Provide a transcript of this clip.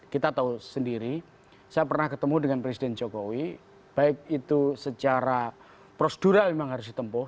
kita tahu sendiri saya pernah ketemu dengan presiden jokowi baik itu secara prosedural memang harus ditempuh